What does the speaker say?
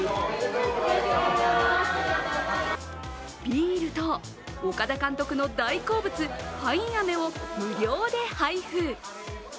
ビールと岡田監督の大好物、パインアメを無料で配布。